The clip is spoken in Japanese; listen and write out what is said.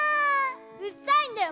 うっさいんだよ